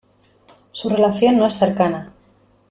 Su relación no es cercana.